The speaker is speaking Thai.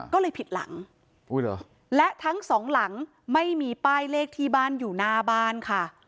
ก็เลยผิดหลังและทั้งสองหลังไม่มีป้ายเลขที่บ้านอยู่หน้าบ้านค่ะ